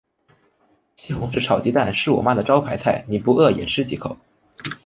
西红柿炒鸡蛋是我妈的招牌菜，你不饿也吃几口。